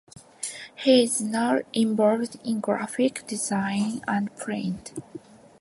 He is now involved in graphic design and print.